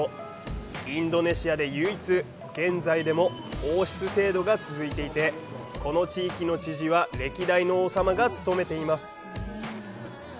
インドネシアで唯一現在でも王室制度が続いていてこの地域の知事は歴代の王様が務めています。